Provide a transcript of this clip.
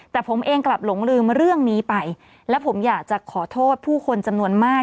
แต่ผมเองกลับหลงลืมเรื่องนี้ไปและผมอยากจะขอโทษผู้คนจำนวนมาก